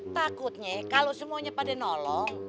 takutnya kalau semuanya pada nolong